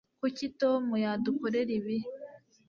Kuki Tom yadukorera ibi